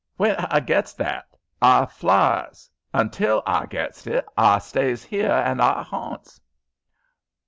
When h'I gets that, h'I flies; huntil I gets it h'I stys 'ere an' I 'aunts."